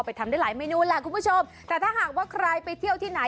ทำได้หลายเมนูแหละคุณผู้ชมแต่ถ้าหากว่าใครไปเที่ยวที่ไหน